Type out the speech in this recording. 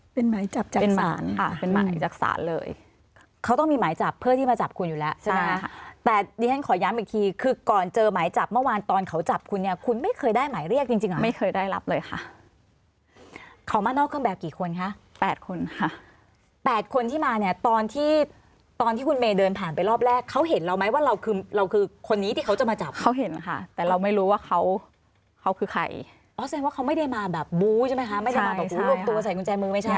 เป็นหมายจับจักษานค่ะอืมอืมอืมอืมอืมอืมอืมอืมอืมอืมอืมอืมอืมอืมอืมอืมอืมอืมอืมอืมอืมอืมอืมอืมอืมอืมอืมอืมอืมอืมอืมอืมอืมอืมอืมอืมอืมอืมอืมอืมอืมอืมอืมอืมอืมอืมอืมอืมอืมอืมอ